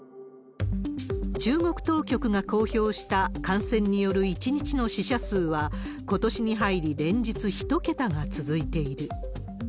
中国当局が公表した、感染による１日の死者数は、ことしに入り連日１桁が続いている。